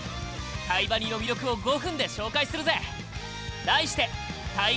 「タイバニ」の魅力を５分で紹介するぜ！